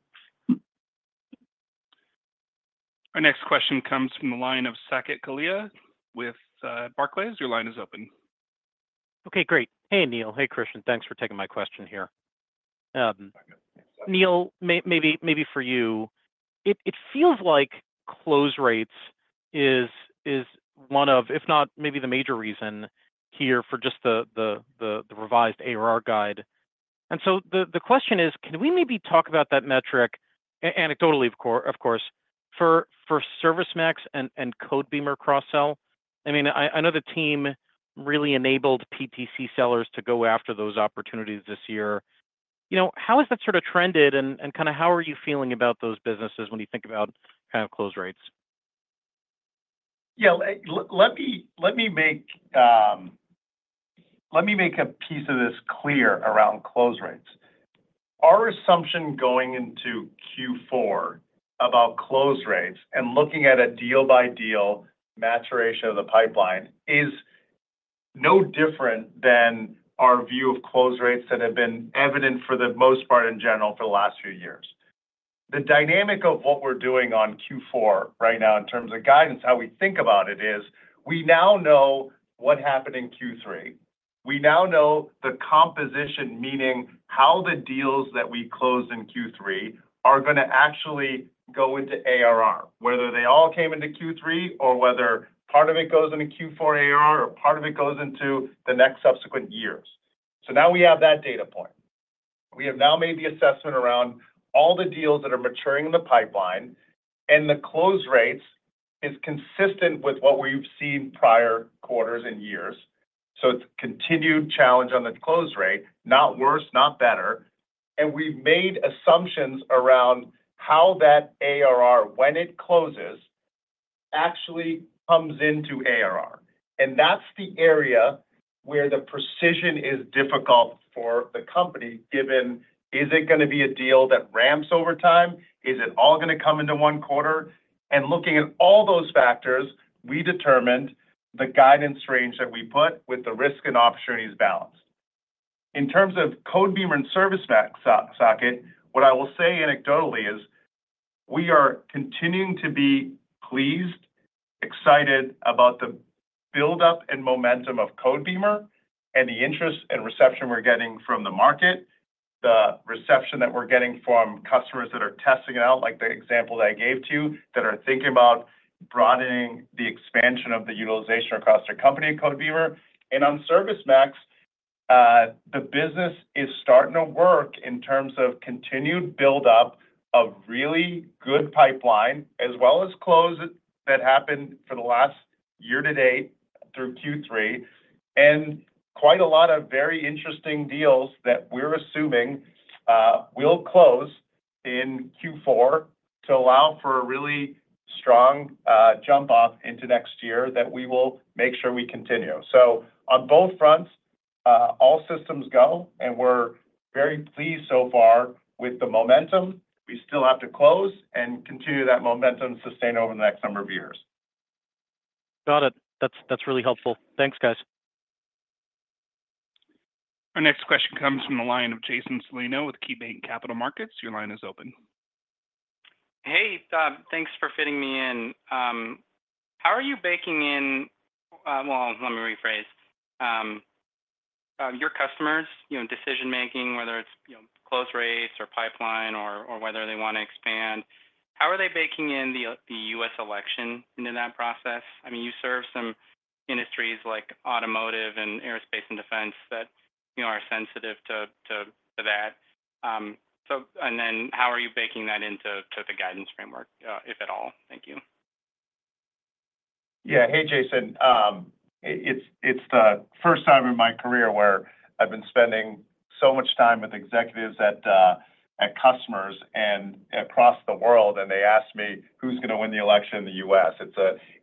Our next question comes from the line of Saket Kalia with Barclays. Your line is open. Okay, great. Hey, Neil. Hey, Kristian. Thanks for taking my question here. Neil, maybe for you, it feels like close rates is one of, if not maybe the major reason here for just the revised ARR guide. And so the question is: can we maybe talk about that metric, anecdotally of course, for ServiceMax and Codebeamer cross-sell? I mean, I know the team really enabled PTC sellers to go after those opportunities this year. You know, how has that sort of trended and kind of how are you feeling about those businesses when you think about kind of close rates? Yeah, let me make a piece of this clear around close rates. Our assumption going into Q4 about close rates and looking at a deal-by-deal maturation of the pipeline is no different than our view of close rates that have been evident for the most part, in general, for the last few years. The dynamic of what we're doing on Q4 right now, in terms of guidance, how we think about it is, we now know what happened in Q3. We now know the composition, meaning how the deals that we closed in Q3 are gonna actually go into ARR, whether they all came into Q3, or whether part of it goes into Q4 ARR, or part of it goes into the next subsequent years. So now we have that data point. We have now made the assessment around all the deals that are maturing in the pipeline, and the close rates is consistent with what we've seen prior quarters and years. So it's continued challenge on the close rate, not worse, not better. And we've made assumptions around how that ARR, when it closes, actually comes into ARR. And that's the area where the precision is difficult for the company, given, is it gonna be a deal that ramps over time? Is it all gonna come into one quarter? And looking at all those factors, we determined the guidance range that we put with the risk and opportunities balanced. In terms of Codebeamer and ServiceMax, Saket, what I will say anecdotally is, we are continuing to be pleased, excited about the buildup and momentum of Codebeamer, and the interest and reception we're getting from the market, the reception that we're getting from customers that are testing it out, like the example that I gave to you, that are thinking about broadening the expansion of the utilization across their company in Codebeamer. And on ServiceMax, the business is starting to work in terms of continued build-up of really good pipeline, as well as closes that happened for the last year to date through Q3, and quite a lot of very interesting deals that we're assuming, will close in Q4 to allow for a really strong, jump off into next year that we will make sure we continue. So on both fronts, all systems go, and we're very pleased so far with the momentum. We still have to close and continue that momentum, sustain over the next number of years. Got it. That's, that's really helpful. Thanks, guys. Our next question comes from the line of Jason Celino with KeyBanc Capital Markets. Your line is open. Hey, thanks for fitting me in. How are you baking in... Well, let me rephrase. Your customers, you know, decision-making, whether it's, you know, close rates or pipeline or whether they want to expand, how are they baking in the, the U.S. election into that process? I mean, you serve some industries like automotive and aerospace and defense that, you know, are sensitive to that. So and then how are you baking that into the guidance framework, if at all? Thank you. Yeah. Hey, Jason. It's the first time in my career where I've been spending so much time with executives at customers and across the world, and they ask me, "Who's gonna win the election in the U.S.?"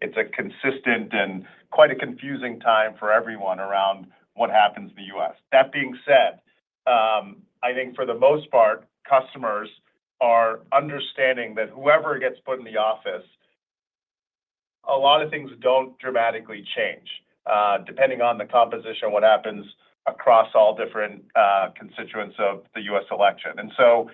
It's a consistent and quite a confusing time for everyone around what happens in the U.S. That being said, I think for the most part, customers are understanding that whoever gets put in the office, a lot of things don't dramatically change, depending on the composition of what happens across all different constituents of the U.S. election. And so...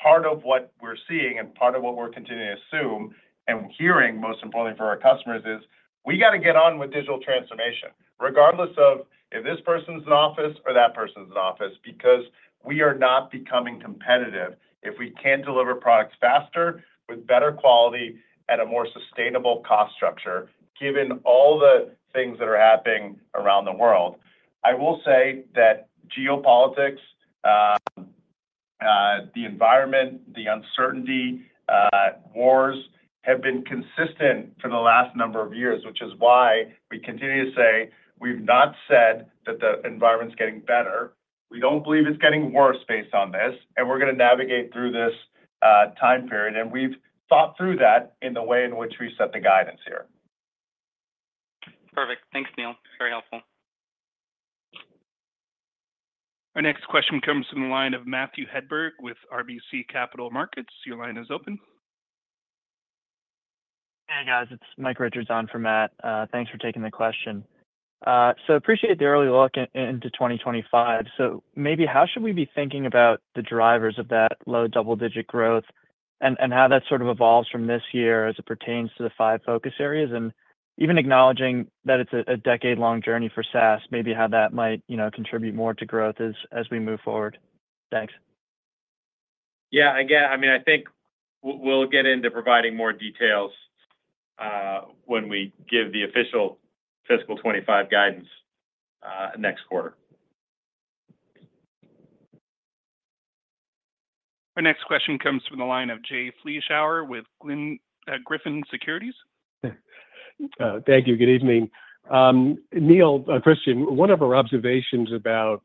Part of what we're seeing and part of what we're continuing to assume and hearing, most importantly for our customers, is we got to get on with digital transformation, regardless of if this person's in office or that person's in office, because we are not becoming competitive if we can't deliver products faster, with better quality at a more sustainable cost structure, given all the things that are happening around the world. I will say that geopolitics, the environment, the uncertainty, wars have been consistent for the last number of years, which is why we continue to say we've not said that the environment's getting better. We don't believe it's getting worse based on this, and we're gonna navigate through this time period, and we've thought through that in the way in which we set the guidance here. Perfect. Thanks, Neil. Very helpful. Our next question comes from the line of Matthew Hedberg with RBC Capital Markets. Your line is open. Hey, guys, it's Matthew Hedberg on for Matt. Thanks for taking the question. So appreciate the early look into 2025. So maybe how should we be thinking about the drivers of that low double-digit growth and how that sort of evolves from this year as it pertains to the 5 focus areas? And even acknowledging that it's a decade-long journey for SaaS, maybe how that might, you know, contribute more to growth as we move forward. Thanks. Yeah, again, I mean, I think we, we'll get into providing more details, when we give the official fiscal 2025 guidance, next quarter. Our next question comes from the line of Jay Vleeschhouwer with Griffin Securities. Thank you. Good evening. Neil, Kristian, one of our observations about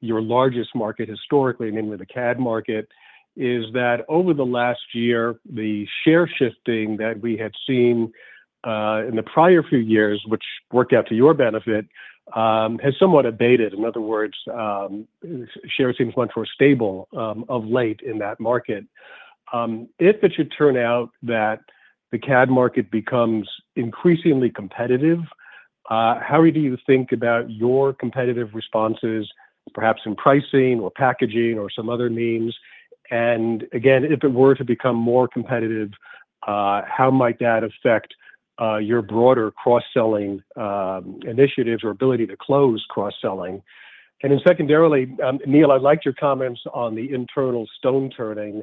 your largest market historically, namely the CAD market, is that over the last year, the share shifting that we had seen in the prior few years, which worked out to your benefit, has somewhat abated. In other words, share seems much more stable of late in that market. If it should turn out that the CAD market becomes increasingly competitive, how do you think about your competitive responses, perhaps in pricing or packaging or some other means? And again, if it were to become more competitive, how might that affect your broader cross-selling initiatives or ability to close cross-selling? And then secondarily, Neil, I liked your comments on the internal stone turning.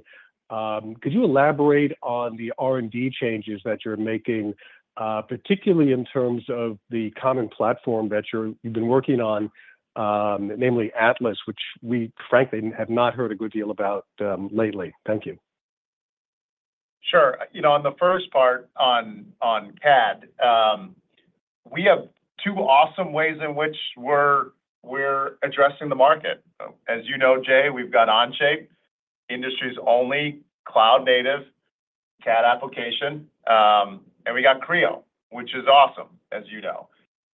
Could you elaborate on the R&D changes that you're making, particularly in terms of the common platform that you've been working on, namely Atlas, which we frankly have not heard a good deal about, lately? Thank you. Sure. You know, on the first part on CAD, we have two awesome ways in which we're addressing the market. As you know, Jay, we've got Onshape, industry's only cloud-native CAD application, and we got Creo, which is awesome, as you know.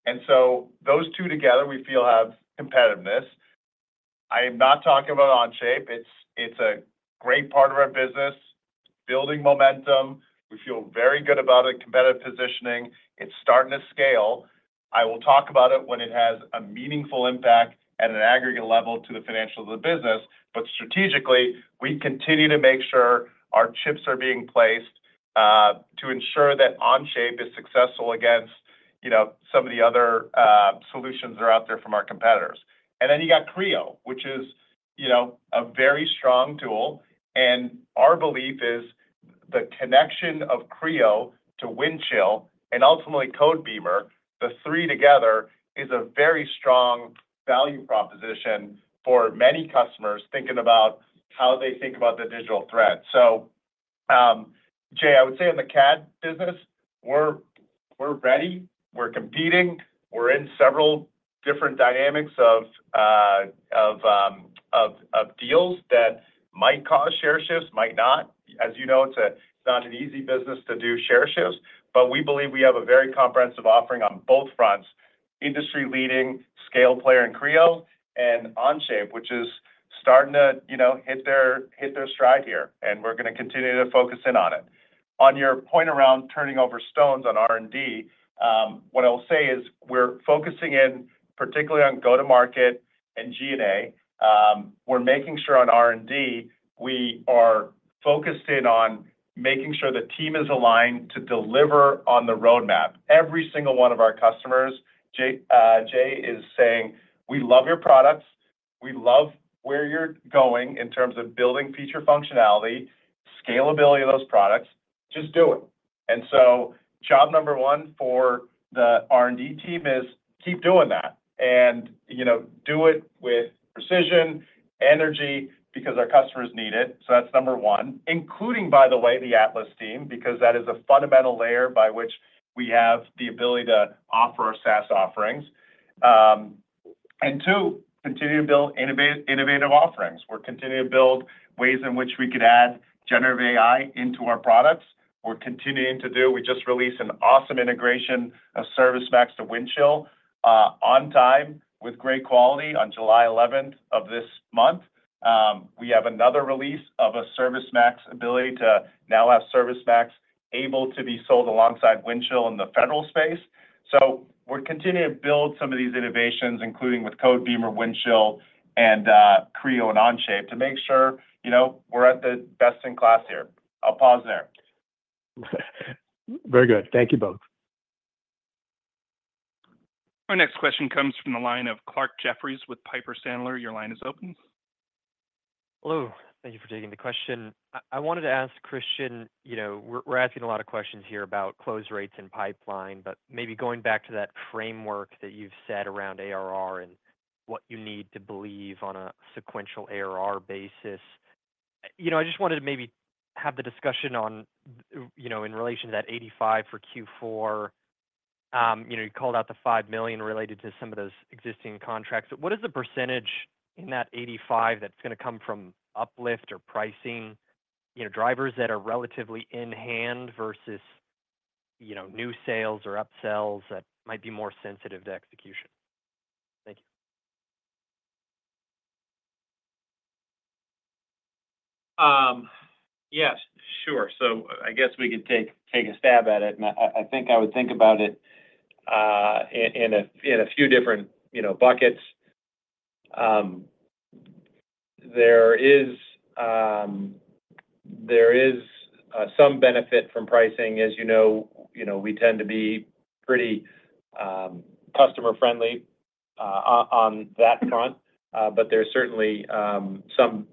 And so those two together, we feel, have competitiveness. I am not talking about Onshape. It's a great part of our business, building momentum. We feel very good about it, competitive positioning. It's starting to scale. I will talk about it when it has a meaningful impact at an aggregate level to the financials of the business. But strategically, we continue to make sure our chips are being placed to ensure that Onshape is successful against, you know, some of the other solutions that are out there from our competitors. And then you got Creo, which is, you know, a very strong tool, and our belief is the connection of Creo to Windchill and ultimately Codebeamer, the three together is a very strong value proposition for many customers thinking about how they think about the digital thread. So, Jay, I would say in the CAD business, we're ready, we're competing, we're in several different dynamics of deals that might cause share shifts, might not. As you know, it's not an easy business to do share shifts, but we believe we have a very comprehensive offering on both fronts: industry-leading scale player in Creo and Onshape, which is starting to, you know, hit their stride here, and we're gonna continue to focus in on it. On your point around turning over stones on R&D, what I will say is we're focusing in particularly on go-to-market and G&A. We're making sure on R&D, we are focused in on making sure the team is aligned to deliver on the roadmap. Every single one of our customers, Jay, is saying, "We love your products. We love where you're going in terms of building feature functionality, scalability of those products. Just do it." And so job number one for the R&D team is keep doing that and, you know, do it with precision, energy, because our customers need it. So that's number one, including, by the way, the Atlas team, because that is a fundamental layer by which we have the ability to offer our SaaS offerings. And two, continue to build innovative offerings. We're continuing to build ways in which we could add generative AI into our products. We're continuing to do... We just released an awesome integration of ServiceMax to Windchill, on time with great quality on July eleventh of this month. We have another release of a ServiceMax ability to now have ServiceMax able to be sold alongside Windchill in the federal space. So-... We're continuing to build some of these innovations, including with Codebeamer, Windchill, and Creo and Onshape to make sure, you know, we're at the best in class here. I'll pause there. Very good. Thank you both. Our next question comes from the line of Clarke Jeffries with Piper Sandler. Your line is open. Hello. Thank you for taking the question. I wanted to ask Kristian, you know, we're asking a lot of questions here about close rates and pipeline, but maybe going back to that framework that you've set around ARR and what you need to believe on a sequential ARR basis. You know, I just wanted to maybe have the discussion on, you know, in relation to that 85 for Q4. You know, you called out the $5 million related to some of those existing contracts. What is the percentage in that 85 that's gonna come from uplift or pricing? You know, drivers that are relatively in hand versus, you know, new sales or upsells that might be more sensitive to execution. Thank you. Yes, sure. So I guess we could take a stab at it. And I think I would think about it in a few different, you know, buckets. There is some benefit from pricing. As you know, we tend to be pretty customer friendly on that front. But there's certainly some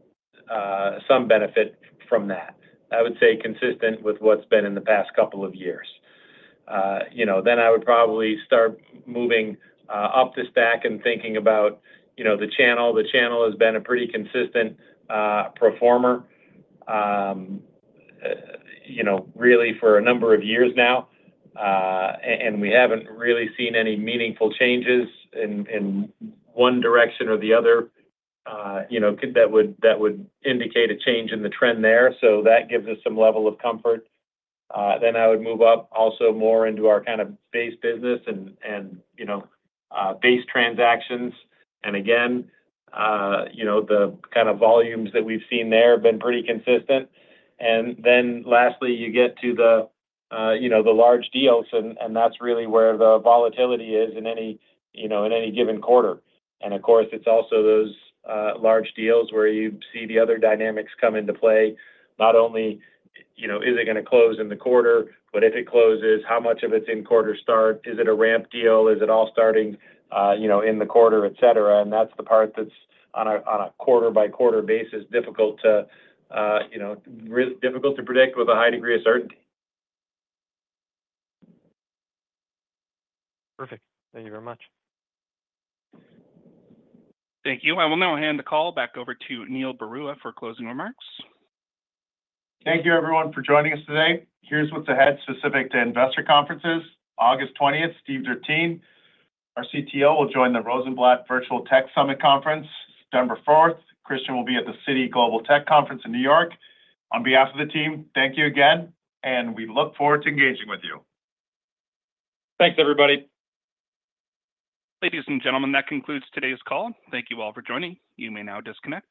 benefit from that. I would say consistent with what's been in the past couple of years. You know, then I would probably start moving up the stack and thinking about, you know, the channel. The channel has been a pretty consistent performer, you know, really for a number of years now. and we haven't really seen any meaningful changes in one direction or the other, you know, that would indicate a change in the trend there, so that gives us some level of comfort. Then I would move up also more into our kind of base business and, you know, base transactions. And again, you know, the kind of volumes that we've seen there have been pretty consistent. And then lastly, you get to the, you know, the large deals, and that's really where the volatility is in any, you know, in any given quarter. And of course, it's also those large deals where you see the other dynamics come into play. Not only, you know, is it gonna close in the quarter, but if it closes, how much of it's in quarter start? Is it a ramp deal? Is it all starting, you know, in the quarter, et cetera? And that's the part that's on a, on a quarter-by-quarter basis, difficult to, you know, difficult to predict with a high degree of certainty. Perfect. Thank you very much. Thank you. I will now hand the call back over to Neil Barua for closing remarks. Thank you, everyone, for joining us today. Here's what's ahead specific to investor conferences. August twentieth, Steve Dertien, our CTO, will join the Rosenblatt Virtual Tech Summit Conference. September fourth, Kristian will be at the Citi Global Tech Conference in New York. On behalf of the team, thank you again, and we look forward to engaging with you. Thanks, everybody. Ladies and gentlemen, that concludes today's call. Thank you all for joining. You may now disconnect.